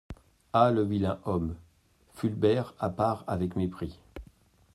Ah ! le vilain homme ! fulbert à part avec mépris.